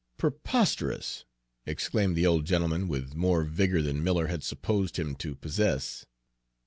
"Preposterous!" exclaimed the old gentleman, with more vigor than Miller had supposed him to possess.